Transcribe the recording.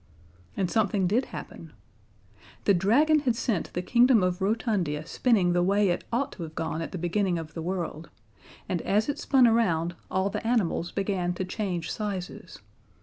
And something did happen. The dragon had sent the kingdom of Rotundia spinning the way it ought to have gone at the beginning of the world, and as it spun around, all the animals began to change sizes.